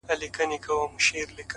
پوهه د شکونو تیاره رڼوي،